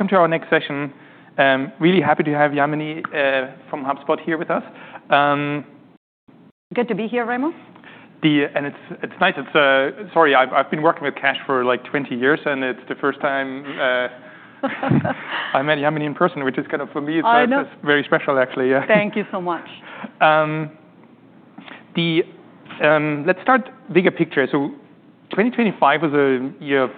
Welcome to our next session. Really happy to have Yamini from HubSpot here with us. Good to be here, Raimo. It's nice. Sorry, I've been working with cash flow for like 20 years, and it's the first time I met Yamini in person, which is kind of for me, it's very special actually. I know. Thank you so much. Let's start bigger picture. So 2025 was a year of,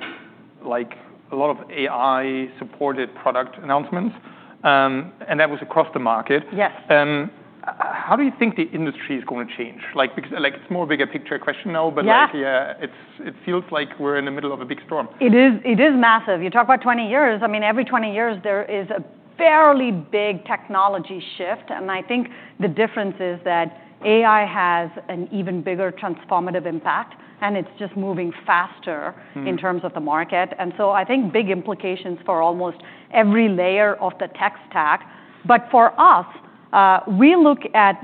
like, a lot of AI-supported product announcements, and that was across the market. Yes. How do you think the industry is going to change? Like, because, like, it's more bigger picture question now, but like, yeah, it feels like we're in the middle of a big storm. It is, it is massive. You talk about 20 years. I mean, every 20 years there is a fairly big technology shift, and I think the difference is that AI has an even bigger transformative impact, and it's just moving faster in terms of the market, and so I think big implications for almost every layer of the tech stack, but for us, we look at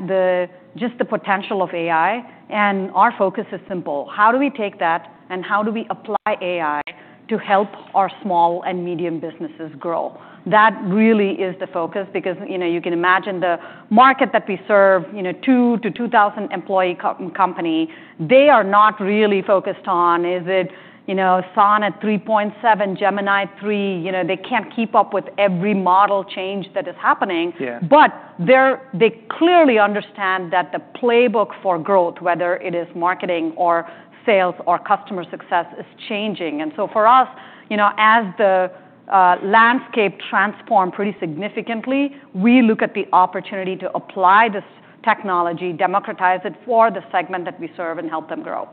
just the potential of AI, and our focus is simple. How do we take that, and how do we apply AI to help our small and medium businesses grow? That really is the focus because, you know, you can imagine the market that we serve, you know, two to 2,000 employee company, they are not really focused on, is it, you know, Sonnet 3.7, Gemini 3, you know, they can't keep up with every model change that is happening. Yeah. But they clearly understand that the playbook for growth, whether it is marketing or sales or customer success, is changing. And so for us, you know, as the landscape transforms pretty significantly, we look at the opportunity to apply this technology, democratize it for the segment that we serve, and help them grow.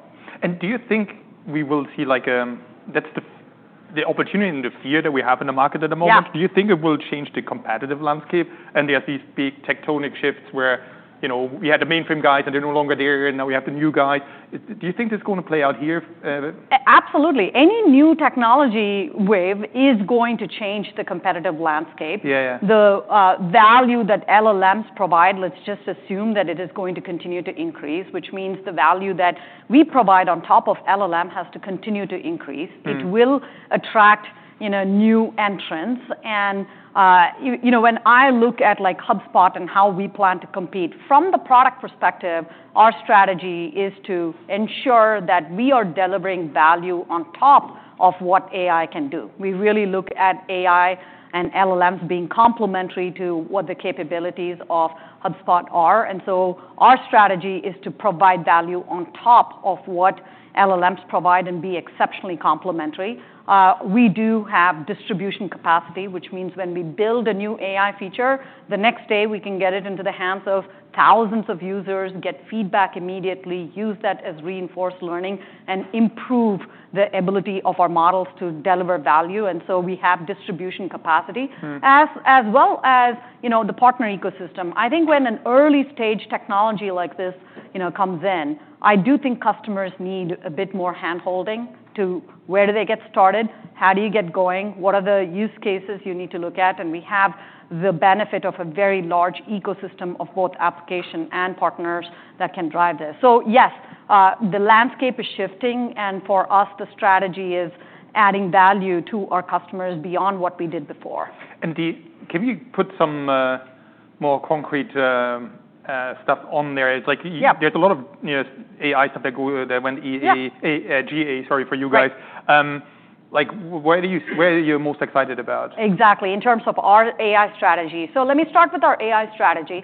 Do you think we will see like, that's the opportunity and the fear that we have in the market at the moment? Yes. Do you think it will change the competitive landscape? And there's these big tectonic shifts where, you know, we had the mainFrame AI guys, and they're no longer there, and now we have the new guys. Do you think this is going to play out here? Absolutely. Any new technology wave is going to change the competitive landscape. Yeah, yeah. The value that LLMs provide, let's just assume that it is going to continue to increase, which means the value that we provide on top of LLM has to continue to increase. Yeah. It will attract, you know, new entrants, and you know, when I look at like HubSpot and how we plan to compete, from the product perspective, our strategy is to ensure that we are delivering value on top of what AI can do. We really look at AI and LLMs being complementary to what the capabilities of HubSpot are, and so our strategy is to provide value on top of what LLMs provide and be exceptionally complementary. We do have distribution capacity, which means when we build a new AI feature, the next day we can get it into the hands of thousands of users, get feedback immediately, use that as reinforcement learning, and improve the ability of our models to deliver value, and so we have distribution capacity. Mm-hmm. As well as, you know, the partner ecosystem. I think when an early stage technology like this, you know, comes in, I do think customers need a bit more handholding to where do they get started, how do you get going, what are the use cases you need to look at. And we have the benefit of a very large ecosystem of both application and partners that can drive this. So yes, the landscape is shifting, and for us, the strategy is adding value to our customers beyond what we did before. Can you put some more concrete stuff on there? It's like. Yeah. There's a lot of, you know, AI stuff that went GA, sorry, for you guys. Like, where are you most excited about? Exactly. In terms of our AI strategy. So let me start with our AI strategy.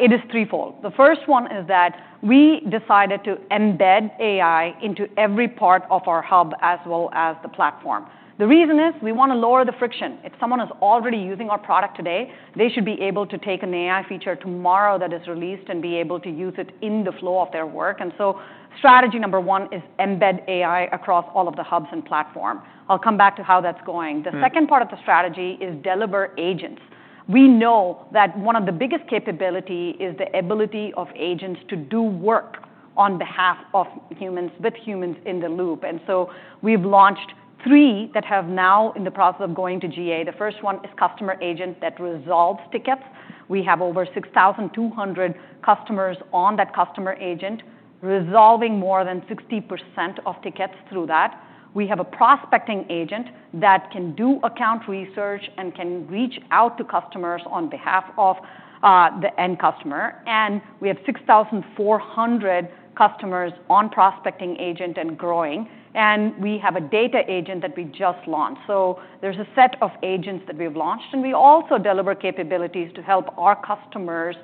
It is threefold. The first one is that we decided to embed AI into every part of our hub as well as the platform. The reason is we want to lower the friction. If someone is already using our product today, they should be able to take an AI feature tomorrow that is released and be able to use it in the flow of their work. And so strategy number one is embed AI across all of the hubs and platform. I'll come back to how that's going. The second part of the strategy is deliver agents. We know that one of the biggest capability is the ability of agents to do work on behalf of humans, with humans in the loop. And so we've launched three that have now in the process of going to GA. The first one is Customer Agent that resolves tickets. We have over 6,200 customers on that Customer Agent resolving more than 60% of tickets through that. We have a Prospecting Agent that can do account research and can reach out to customers on behalf of the end customer. And we have 6,400 customers on Prospecting Agent and growing. And we have a Data Agent that we just launched. So there's a set of agents that we've launched, and we also deliver capabilities to help our customers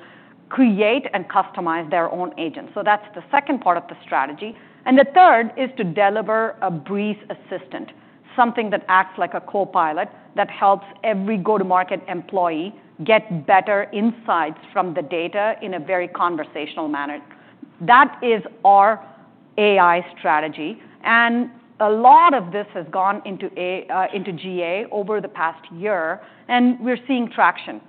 create and customize their own agents. So that's the second part of the strategy. And the third is to deliver a Breeze Assistant, something that acts like a copilot that helps every go-to-market employee get better insights from the data in a very conversational manner. That is our AI strategy, and a lot of this has gone into AI, into GA over the past year, and we're seeing traction.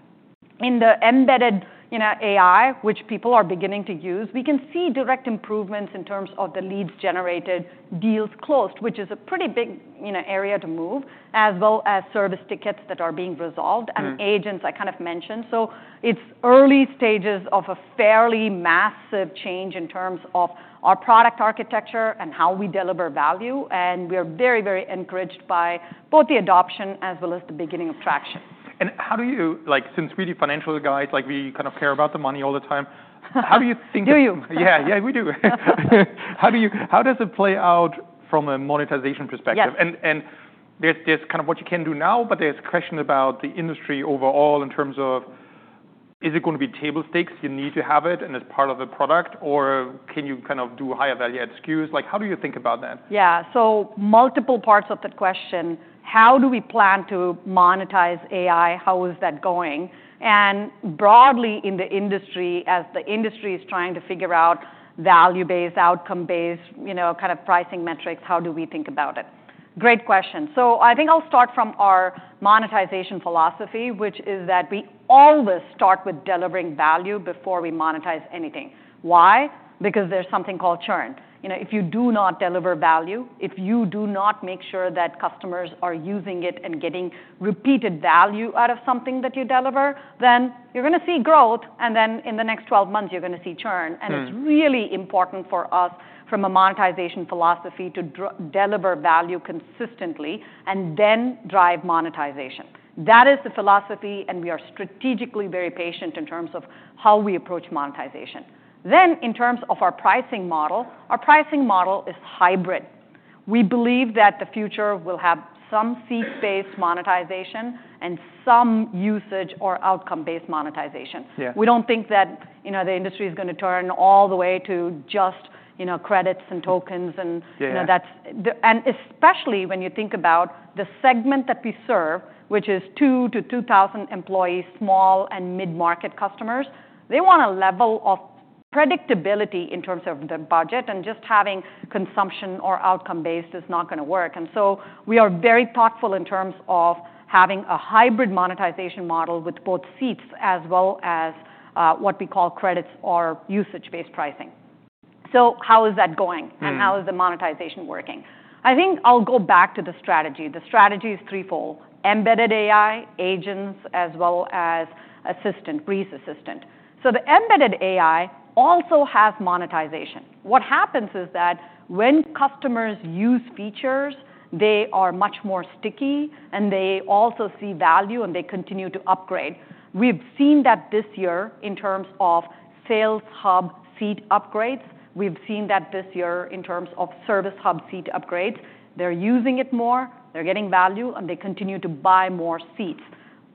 In the embedded, you know, AI, which people are beginning to use, we can see direct improvements in terms of the leads generated, deals closed, which is a pretty big, you know, area to move, as well as service tickets that are being resolved and agents I kind of mentioned, so it's early stages of a fairly massive change in terms of our product architecture and how we deliver value, and we are very, very encouraged by both the adoption as well as the beginning of traction. And how do you, like, since we do financial guys, like we kind of care about the money all the time. How do you think? Do you? Yeah, yeah, we do. How do you, how does it play out from a monetization perspective? Yeah. There's kind of what you can do now, but there's question about the industry overall in terms of, is it going to be table stakes? You need to have it and it's part of the product, or can you kind of do higher value add skews? Like, how do you think about that? Yeah. So multiple parts of the question. How do we plan to monetize AI? How is that going? And broadly in the industry, as the industry is trying to figure out value-based, outcome-based, you know, kind of pricing metrics, how do we think about it? Great question. So I think I'll start from our monetization philosophy, which is that we always start with delivering value before we monetize anything. Why? Because there's something called churn. You know, if you do not deliver value, if you do not make sure that customers are using it and getting repeated value out of something that you deliver, then you're going to see growth, and then in the next 12 months, you're going to see churn. And it's really important for us from a monetization philosophy to deliver value consistently and then drive monetization. That is the philosophy, and we are strategically very patient in terms of how we approach monetization, then in terms of our pricing model, our pricing model is hybrid. We believe that the future will have some seat-based monetization and some usage or outcome-based monetization. Yeah. We don't think that, you know, the industry is going to turn all the way to just, you know, credits and tokens and, you know, that's, and especially when you think about the segment that we serve, which is two to 2,000 employees, small and mid-market customers. They want a level of predictability in terms of the budget, and just having consumption or outcome-based is not going to work, and so we are very thoughtful in terms of having a hybrid monetization model with both seats as well as, what we call credits or usage-based pricing, so how is that going? Mm-hmm. And how is the monetization working? I think I'll go back to the strategy. The strategy is threefold: embedded AI, agents, as well as assistant, Breeze Assistant. So the embedded AI also has monetization. What happens is that when customers use features, they are much more sticky, and they also see value, and they continue to upgrade. We've seen that this year in terms of Sales Hub seat upgrades. We've seen that this year in terms of Service Hub seat upgrades. They're using it more, they're getting value, and they continue to buy more seats.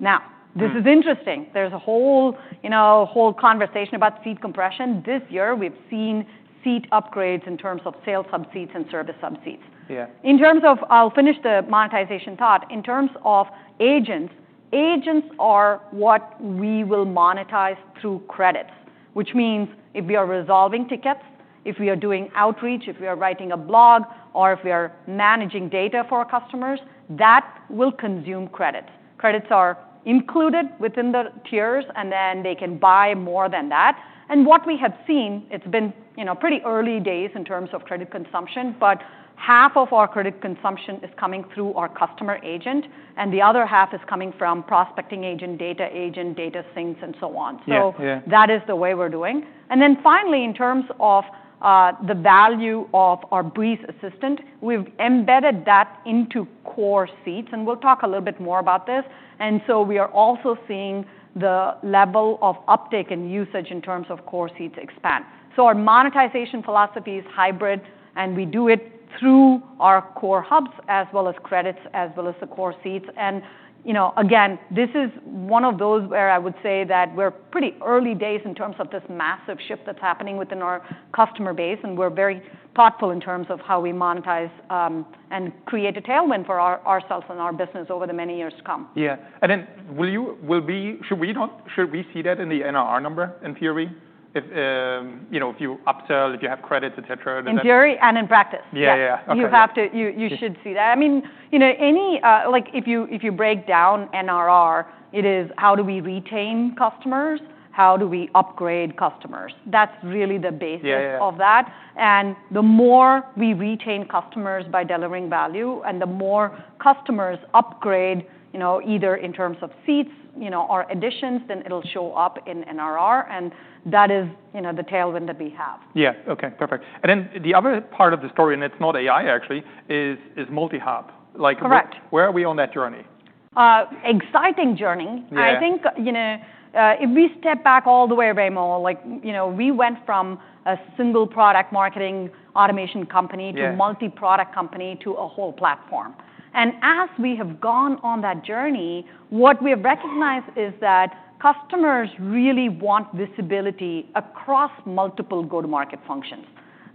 Now, this is interesting. There's a whole, you know, whole conversation about seat compression. This year we've seen seat upgrades in terms of Sales Hub seats and Service Hub seats. Yeah. In terms of, I'll finish the monetization thought. In terms of agents, agents are what we will monetize through credits, which means if we are resolving tickets, if we are doing outreach, if we are writing a blog, or if we are managing data for our customers, that will consume credits. Credits are included within the tiers, and then they can buy more than that, and what we have seen, it's been, you know, pretty early days in terms of credit consumption, but half of our credit consumption is coming through our Customer Agent, and the other half is coming from Prospecting Agent, Data Agent, data syncs, and so on. Yeah. So that is the way we're doing. And then finally, in terms of the value of our Breeze Assistant, we've embedded that into Core Seats, and we'll talk a little bit more about this. And so we are also seeing the level of uptake and usage in terms of Core Seats expand. So our monetization philosophy is hybrid, and we do it through our Core Hubs as well as credits, as well as the Core Seats. And you know, again, this is one of those where I would say that we're pretty early days in terms of this massive shift that's happening within our customer base, and we're very thoughtful in terms of how we monetize, and create a tailwind for ourselves and our business over the many years to come. Yeah. And then should we see that in the NRR number in theory? If you know, if you upsell, if you have credits, et cetera. In theory and in practice. Yeah, yeah, yeah. Okay. You have to. You should see that. I mean, you know, like if you break down NRR, it is how do we retain customers? How do we upgrade customers? That's really the basis. Yeah. Of that, and the more we retain customers by delivering value, and the more customers upgrade, you know, either in terms of seats, you know, or additions, then it'll show up in NRR, and that is, you know, the tailwind that we have. Yeah. Okay. Perfect. And then the other part of the story, and it's not AI actually, is multi-hub. Correct. Like, where are we on that journey? exciting journey. Yeah. I think, you know, if we step back all the way, Raimo, like, you know, we went from a single product marketing automation company. Yeah. To a multi-product company to a whole platform, and as we have gone on that journey, what we have recognized is that customers really want visibility across multiple go-to-market functions.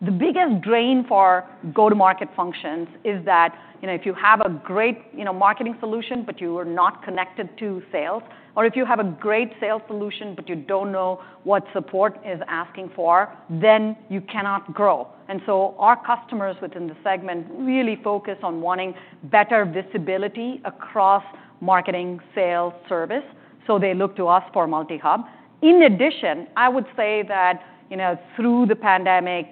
The biggest drain for go-to-market functions is that, you know, if you have a great, you know, marketing solution, but you are not connected to sales, or if you have a great sales solution, but you don't know what support is asking for, then you cannot grow, and so our customers within the segment really focus on wanting better visibility across marketing, sales, service, so they look to us for multi-hub. In addition, I would say that, you know, through the pandemic,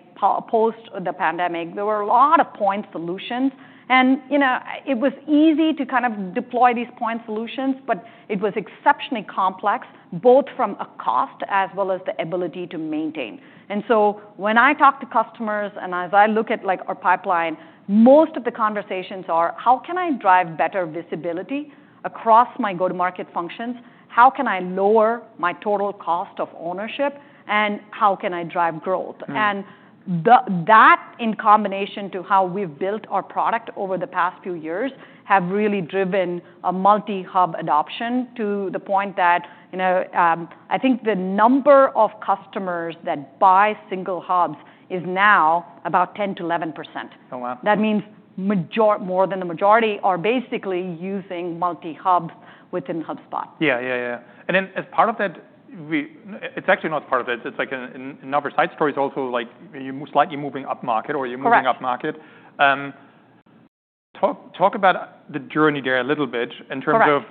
post the pandemic, there were a lot of point solutions, and, you know, it was easy to kind of deploy these point solutions, but it was exceptionally complex, both from a cost as well as the ability to maintain, and so when I talk to customers and as I look at like our pipeline, most of the conversations are, how can I drive better visibility across my go-to-market functions? How can I lower my total cost of ownership? And how can I drive growth? Mm-hmm. That in combination to how we've built our product over the past few years have really driven a multi-hub adoption to the point that, you know, I think the number of customers that buy single hubs is now about 10%-11%. Oh, wow. That means more than the majority are basically using multi-hubs within HubSpot. Yeah, yeah, yeah, yeah. And then as part of that, it's actually not part of it. It's like another side story is also like you're slightly moving up market or you're moving up market. Correct. Talk about the journey there a little bit in terms of.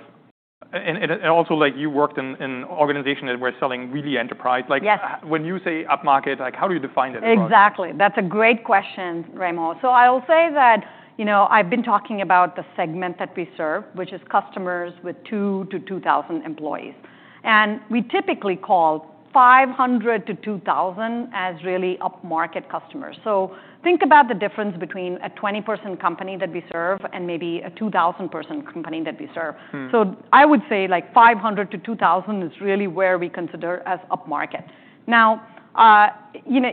Correct. Also, like you worked in organizations that were selling really enterprise. Yes. Like when you say up market, like how do you define that? Exactly. That's a great question, Raimo, so I'll say that, you know, I've been talking about the segment that we serve, which is customers with two to 2,000 employees, and we typically call 500 to 2,000 as really upmarket customers, so think about the difference between a 20-person company that we serve and maybe a 2,000-person company that we serve. Mm-hmm. So I would say like 500-2,000 is really where we consider as upmarket. Now, you know,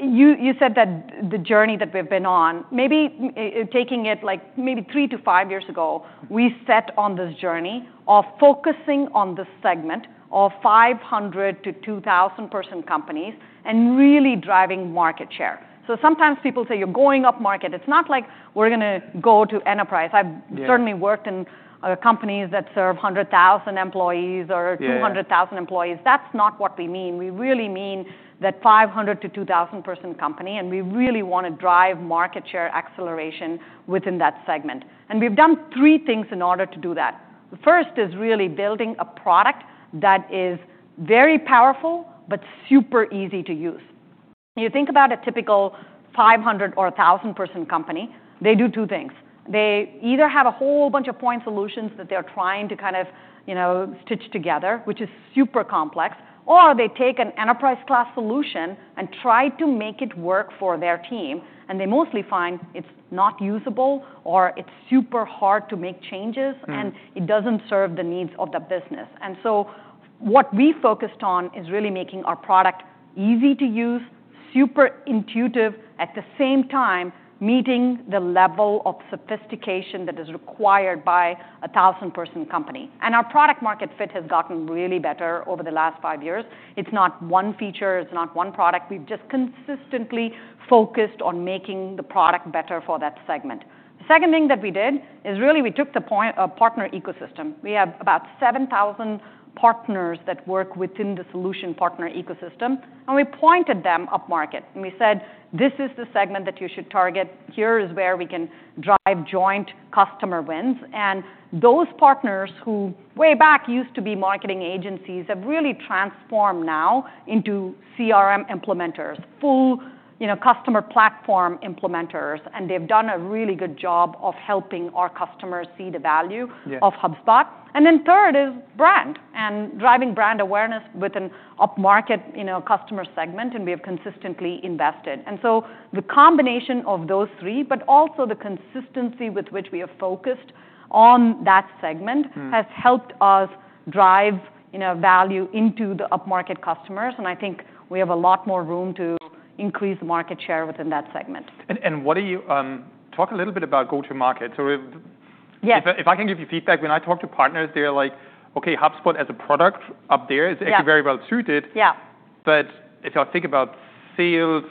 you said that the journey that we've been on, maybe taking it like maybe three to five years ago, we set on this journey of focusing on the segment of 500-2,000-person companies and really driving market share, so sometimes people say you're going upmarket. It's not like we're going to go to enterprise. I've certainly worked in companies that serve 100,000 employees or 200,000 employees. That's not what we mean. We really mean that 500-2,000-person company, and we really want to drive market share acceleration within that segment, and we've done three things in order to do that. The first is really building a product that is very powerful but super easy to use. You think about a typical 500 or 1,000 person company. They do two things. They either have a whole bunch of point solutions that they're trying to kind of, you know, stitch together, which is super complex, or they take an enterprise class solution and try to make it work for their team, and they mostly find it's not usable or it's super hard to make changes. Mm-hmm. And it doesn't serve the needs of the business. And so what we focused on is really making our product easy to use, super intuitive, at the same time meeting the level of sophistication that is required by a 1,000-person company. And our product-market fit has gotten really better over the last five years. It's not one feature. It's not one product. We've just consistently focused on making the product better for that segment. The second thing that we did is really we took the point partner ecosystem. We have about 7,000 partners that work within the solution partner ecosystem, and we pointed them upmarket. And we said, this is the segment that you should target. Here is where we can drive joint customer wins. Those partners who way back used to be marketing agencies have really transformed now into CRM implementers, full, you know, customer platform implementers, and they've done a really good job of helping our customers see the value. Yeah. Of HubSpot. And then third is brand and driving brand awareness within upmarket, you know, customer segment, and we have consistently invested. And so the combination of those three, but also the consistency with which we have focused on that segment. Mm-hmm. Has helped us drive, you know, value into the up market customers, and I think we have a lot more room to increase market share within that segment. Talk a little bit about go-to-market. So if. Yes. If I can give you feedback, when I talk to partners, they're like, okay, HubSpot as a product up there is actually very well suited. Yeah. But if I think about sales,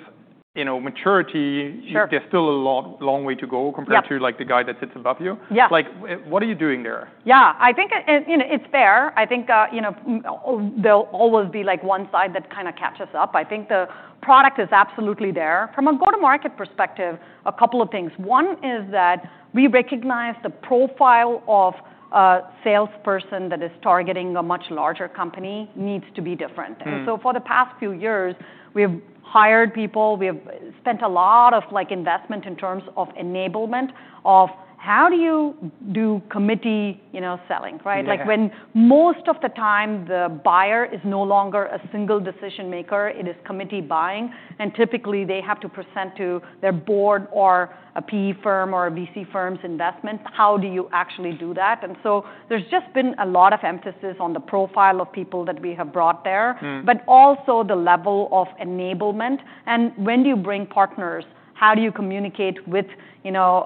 you know, maturity. Sure. There's still a long, long way to go compared to like the guy that sits above you. Yeah. Like what are you doing there? Yeah. I think, and you know, it's fair. I think, you know, there'll always be like one side that kind of catches up. I think the product is absolutely there. From a go-to-market perspective, a couple of things. One is that we recognize the profile of a salesperson that is targeting a much larger company needs to be different. Mm-hmm. And so, for the past few years, we have hired people. We have spent a lot of, like, investment in terms of enablement of how do you do committee, you know, selling, right? Yeah. Like when most of the time the buyer is no longer a single decision maker, it is committee buying, and typically they have to present to their board or a PE firm or a VC firm's investment. How do you actually do that? And so there's just been a lot of emphasis on the profile of people that we have brought there. Mm-hmm. But also the level of enablement. And when do you bring partners, how do you communicate with, you know,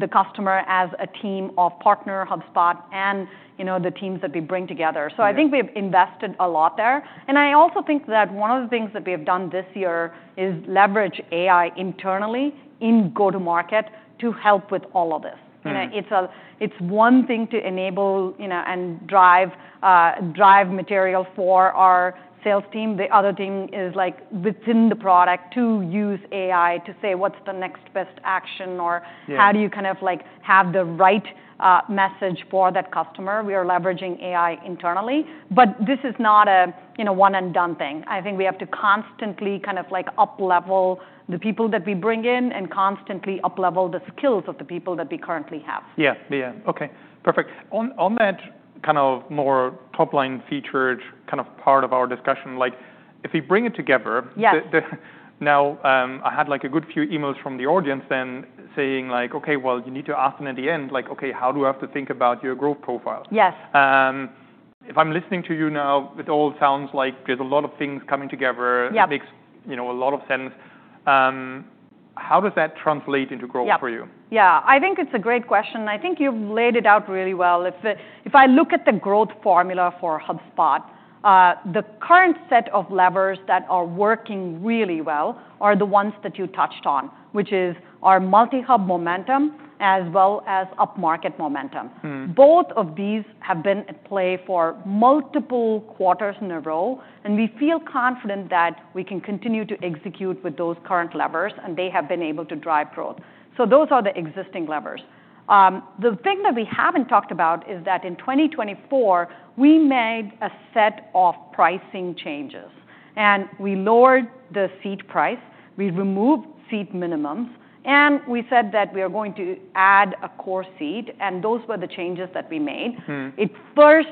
the customer as a team of partner HubSpot and, you know, the teams that we bring together? Mm-hmm. So I think we've invested a lot there. And I also think that one of the things that we have done this year is leverage AI internally in go-to-market to help with all of this. Mm-hmm. You know, it's one thing to enable, you know, and drive material for our sales team. The other thing is like within the product to use AI to say what's the next best action or. Yeah. How do you kind of like have the right message for that customer? We are leveraging AI internally, but this is not a, you know, one and done thing. I think we have to constantly kind of like uplevel the people that we bring in and constantly uplevel the skills of the people that we currently have. Yeah. Yeah. Okay. Perfect. On that kind of more top-line featured kind of part of our discussion, like if we bring it together. Yes. Now, I had like a good few emails from the audience, then saying like, okay, well, you need to ask them at the end, like, okay, how do I have to think about your growth profile? Yes. If I'm listening to you now, it all sounds like there's a lot of things coming together. Yeah. It makes, you know, a lot of sense. How does that translate into growth for you? Yeah. Yeah. I think it's a great question. I think you've laid it out really well. If, if I look at the growth formula for HubSpot, the current set of levers that are working really well are the ones that you touched on, which is our multi-hub momentum as well as up market momentum. Mm-hmm. Both of these have been at play for multiple quarters in a row, and we feel confident that we can continue to execute with those current levers, and they have been able to drive growth. So those are the existing levers. The thing that we haven't talked about is that in 2024, we made a set of pricing changes, and we lowered the seat price. We removed seat minimums, and we said that we are going to add a Core Seat, and those were the changes that we made. Mm-hmm. It first,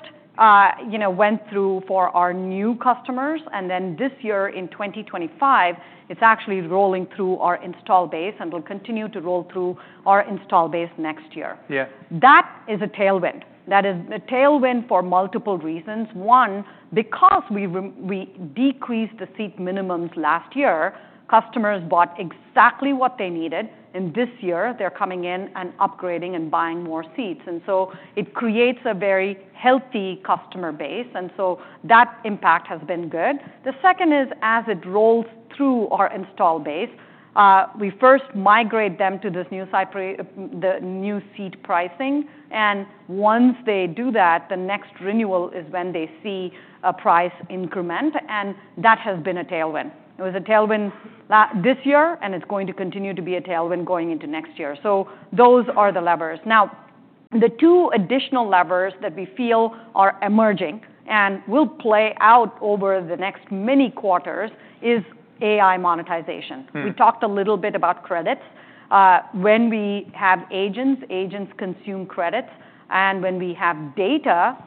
you know, went through for our new customers, and then this year in 2025, it's actually rolling through our installed base, and it'll continue to roll through our installed base next year. Yeah. That is a tailwind. That is a tailwind for multiple reasons. One, because we decreased the seat minimums last year, customers bought exactly what they needed, and this year they're coming in and upgrading and buying more seats. And so it creates a very healthy customer base, and so that impact has been good. The second is as it rolls through our installed base, we first migrate them to this new pricing, the new seat pricing, and once they do that, the next renewal is when they see a price increment, and that has been a tailwind. It was a tailwind this year, and it's going to continue to be a tailwind going into next year. So those are the levers. Now, the two additional levers that we feel are emerging and will play out over the next many quarters is AI monetization. Mm-hmm. We talked a little bit about credits. When we have agents, agents consume credits, and when we have data,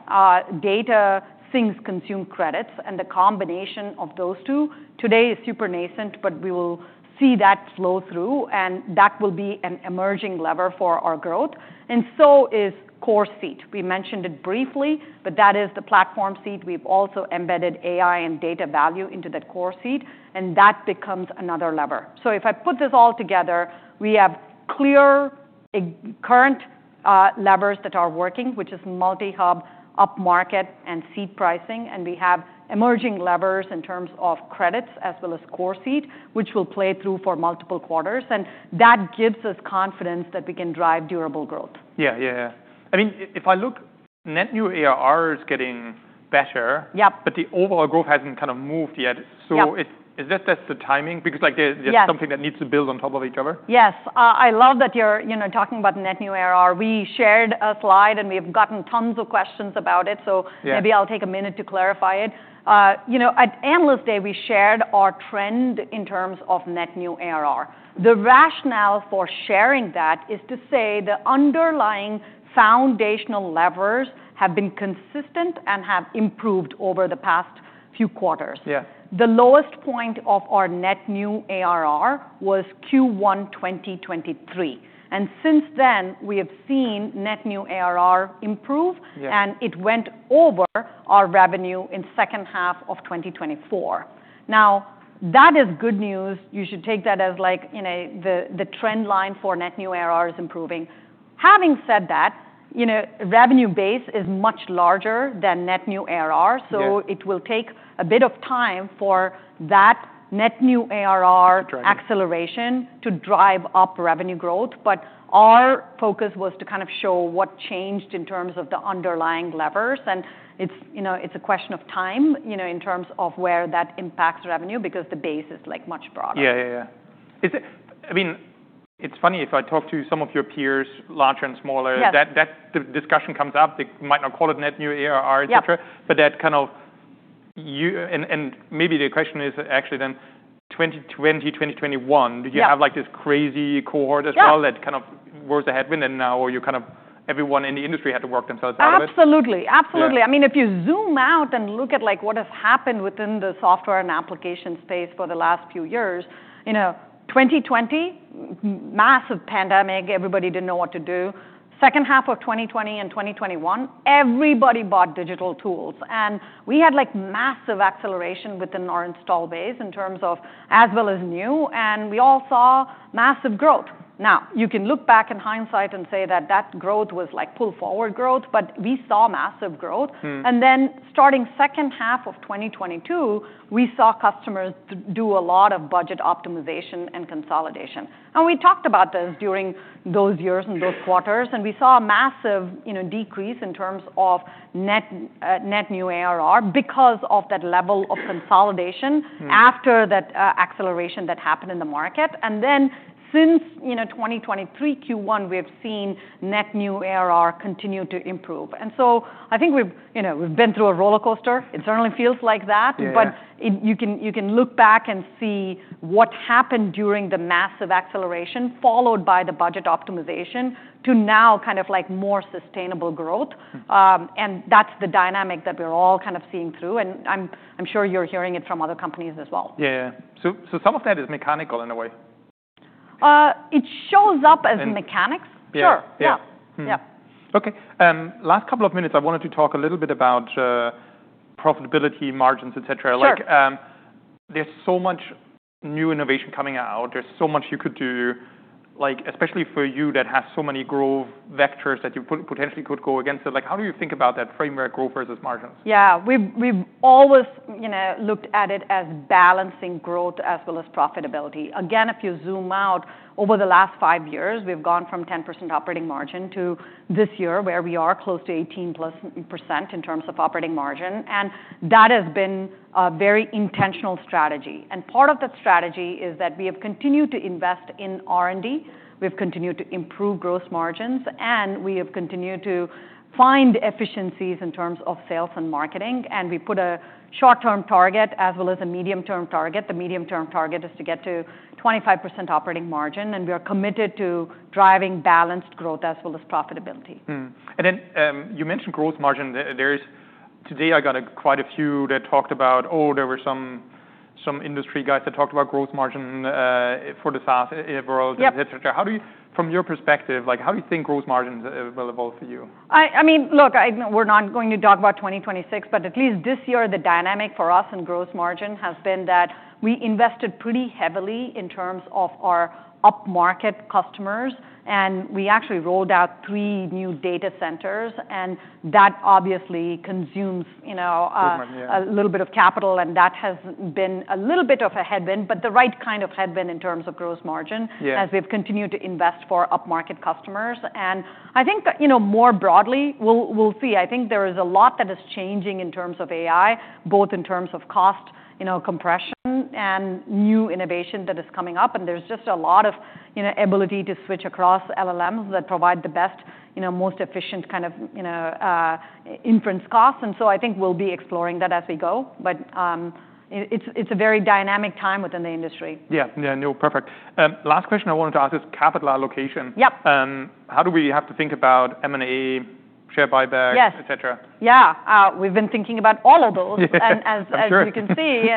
data syncs consume credits, and the combination of those two today is super nascent, but we will see that flow through, and that will be an emerging lever for our growth. And so is Core Seat. We mentioned it briefly, but that is the platform seat. We've also embedded AI and data value into that Core Seat, and that becomes another lever. So if I put this all together, we have clear current levers that are working, which is Multi-hub, up market, and seat pricing, and we have emerging levers in terms of credits as well as Core Seat, which will play through for multiple quarters, and that gives us confidence that we can drive durable growth. Yeah. Yeah. Yeah. I mean, if I look, Net New ARR is getting better. Yep. But the overall growth hasn't kind of moved yet. Yes. So is that just the timing? Because like there's something that needs to build on top of each other. Yes. I love that you're, you know, talking about Net New ARR. We shared a slide, and we have gotten tons of questions about it. So. Yeah. Maybe I'll take a minute to clarify it. You know, at Analyst Day, we shared our trend in terms of Net New ARR. The rationale for sharing that is to say the underlying foundational levers have been consistent and have improved over the past few quarters. Yeah. The lowest point of our Net New ARR was Q1 2023, and since then, we have seen Net New ARR improve. Yeah. It went over our revenue in second half of 2024. Now, that is good news. You should take that as like, you know, the trend line for Net New ARR is improving. Having said that, you know, revenue base is much larger than Net New ARR. Mm-hmm. It will take a bit of time for that Net New ARR. To drive. Acceleration to drive up revenue growth, but our focus was to kind of show what changed in terms of the underlying levers, and it's, you know, it's a question of time, you know, in terms of where that impacts revenue because the base is like much broader. Yeah. Yeah. Yeah. Is it? I mean, it's funny if I talk to some of your peers, larger and smaller. Yes. That the discussion comes up. They might not call it net new ARR. Yeah. Et cetera, but that kind of you, and maybe the question is actually then 2020, 2021, did you have like this crazy cohort as well? Yeah. That kind of was a headwind, and now you kind of everyone in the industry had to work themselves out of it. Absolutely. Absolutely. I mean, if you zoom out and look at like what has happened within the software and application space for the last few years, you know, 2020, massive pandemic, everybody didn't know what to do. Second half of 2020 and 2021, everybody bought digital tools, and we had like massive acceleration within our install base in terms of as well as new, and we all saw massive growth. Now, you can look back in hindsight and say that that growth was like pull forward growth, but we saw massive growth. Mm-hmm. And then starting second half of 2022, we saw customers do a lot of budget optimization and consolidation. And we talked about this during those years and those quarters, and we saw a massive, you know, decrease in terms of net new ARR because of that level of consolidation. Mm-hmm. After that, acceleration that happened in the market. And then since, you know, 2023 Q1, we have seen Net New ARR continue to improve. And so I think we've, you know, we've been through a rollercoaster. It certainly feels like that. Mm-hmm. But you can look back and see what happened during the massive acceleration followed by the budget optimization to now kind of like more sustainable growth. Mm-hmm. and that's the dynamic that we're all kind of seeing through, and I'm sure you're hearing it from other companies as well. Yeah. Yeah, so some of that is mechanical in a way. It shows up as mechanics. Yeah. Sure. Yeah. Mm-hmm. Yeah. Okay. Last couple of minutes, I wanted to talk a little bit about profitability, margins, et cetera. Sure. Like, there's so much new innovation coming out. There's so much you could do, like especially for you that has so many growth vectors that you potentially could go against it. Like how do you think about that Frame AIwork, growth versus margins? Yeah. We've always, you know, looked at it as balancing growth as well as profitability. Again, if you zoom out over the last five years, we've gone from 10% operating margin to this year where we are close to 18% plus in terms of operating margin, and that has been a very intentional strategy. And part of that strategy is that we have continued to invest in R&D, we've continued to improve gross margins, and we have continued to find efficiencies in terms of sales and marketing, and we put a short-term target as well as a medium-term target. The medium-term target is to get to 25% operating margin, and we are committed to driving balanced growth as well as profitability. Mm-hmm. And then, you mentioned gross margin. There's today, I got quite a few that talked about, oh, there were some industry guys that talked about gross margin, for the SaaS world. Yep. Et cetera. How do you, from your perspective, like how do you think gross margins will evolve for you? I mean, look, we're not going to talk about 2026, but at least this year, the dynamic for us in gross margin has been that we invested pretty heavily in terms of our up-market customers, and we actually rolled out three new data centers, and that obviously consumes, you know. Gross margin, yeah. A little bit of capital, and that has been a little bit of a headwind, but the right kind of headwind in terms of gross margin. Yeah. As we've continued to invest for up-market customers, and I think, you know, more broadly, we'll see. I think there is a lot that is changing in terms of AI, both in terms of cost, you know, compression, and new innovation that is coming up, and there's just a lot of, you know, ability to switch across LLMs that provide the best, you know, most efficient kind of, you know, inference costs, and so I think we'll be exploring that as we go, but it's a very dynamic time within the industry. Yeah. Yeah. No. Perfect. Last question I wanted to ask is capital allocation. Yep. How do we have to think about M&A, share buyback? Yes. Et cetera? Yeah. We've been thinking about all of those. Yeah. As you can see,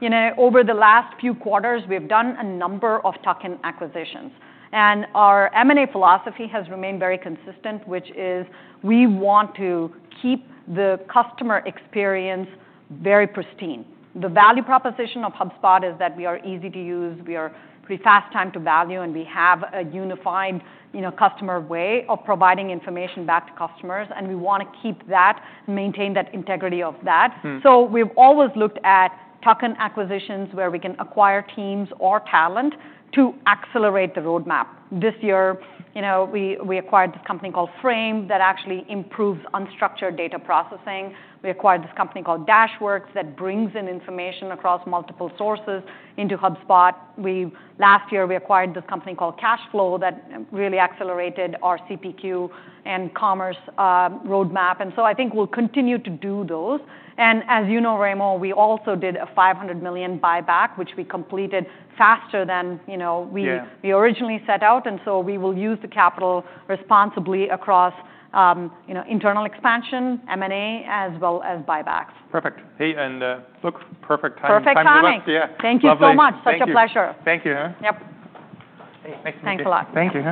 you know, over the last few quarters, we've done a number of tuck-in acquisitions, and our M&A philosophy has remained very consistent, which is we want to keep the customer experience very pristine. The value proposition of HubSpot is that we are easy to use, we are pretty fast time to value, and we have a unified, you know, customer way of providing information back to customers, and we wanna keep that and maintain that integrity of that. Mm-hmm. So we've always looked at tuck-in acquisitions where we can acquire teams or talent to accelerate the roadmap. This year, you know, we acquired this company called Frame AI that actually improves unstructured data processing. We acquired this company called Dashworks that brings in information across multiple sources into HubSpot. Last year, we acquired this company called cash flow that really accelerated our CPQ and commerce roadmap. And so I think we'll continue to do those. And as you know, Raimo, we also did a $500 million buyback, which we completed faster than, you know, we. Yeah. We originally set out, and so we will use the capital responsibly across, you know, internal expansion, M&A, as well as buybacks. Perfect. Hey, and look, perfect timing. Perfect timing. Thanks so much. Yeah. Thank you so much. Love it. Such a pleasure. Thank you, huh? Yep. Hey, nice to meet you. Thanks a lot. Thank you.